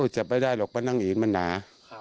จะไม่ได้หรอกเพราะนั่งอีกมันหนา